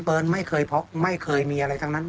ไม่เคยพ็อกไม่เคยมีอะไรทั้งนั้น